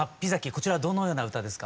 こちらはどのような歌ですか？